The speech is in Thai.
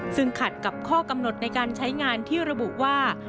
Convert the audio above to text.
ซึ่งขัดกับข้อกำหนดในการใช้งานที่ระบุว่า